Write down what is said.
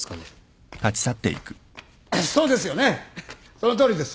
そのとおりです。